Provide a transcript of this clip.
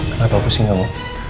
kenapa pusing kamu